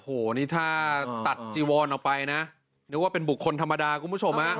โอ้โหนี่ถ้าตัดจีวอนออกไปนะนึกว่าเป็นบุคคลธรรมดาคุณผู้ชมฮะ